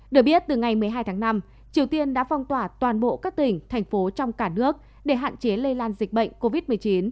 được biết từ ngày một mươi hai tháng năm triều tiên đã phong tỏa toàn bộ các tỉnh thành phố trong cả nước để hạn chế lây lan dịch bệnh covid một mươi chín